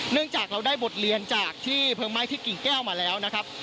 จากเราได้บทเรียนจากที่เพลิงไหม้ที่กิ่งแก้วมาแล้วนะครับ